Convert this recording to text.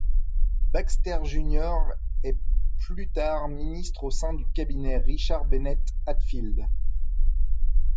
Baxter Jr, est plus tard ministre au sein du cabinet de Richard Bennett Hatfield.